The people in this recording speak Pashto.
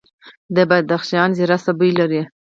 د بدخشان زیره څه بوی لري؟